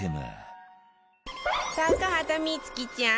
高畑充希ちゃん